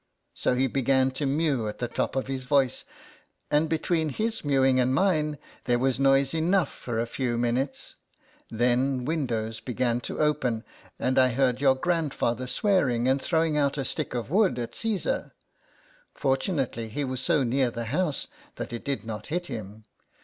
So he began to mew at the top of his voice, and between his mewing and mine, there was noise enough for a few minutes ; then windows began to open, and I heard your grandfather swearing and throwing out a stick of wood at Caesar; fortunately he was so near the house that it did not hit him.